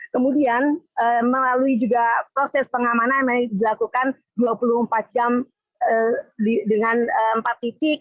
kemudian melalui juga proses pengamanan yang dilakukan dua puluh empat jam dengan empat titik